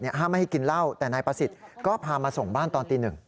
ห้ามไม่ให้กินเหล้าแต่นายประสิทธิ์ก็พามาส่งบ้านตอนตีหนึ่ง